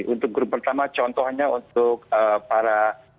untuk grup pertama contohnya untuk para